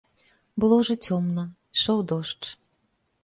Было ўжо цёмна, ішоў дождж.